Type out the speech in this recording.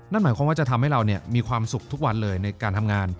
นั่นหมายความว่าจะทำให้เรามีความสุขทุกวันเลยในการทำงาน